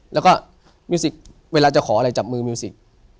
แล้วก็มิวสิกเวลาจะขออะไรจับมือมิวสิก